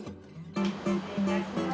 失礼いたします。